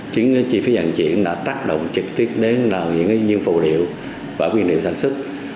chính cái chi phí vận chuyển đã tác động trực tiếp đến những phiêu vụ liệu và quyên liệu sản xuất